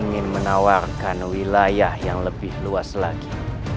ingin menawarkan wilayah yang lebih luas lagi